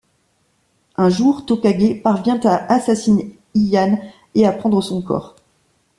Un jour, Tokagé parvient à assassiner Ian et à prendre son corps.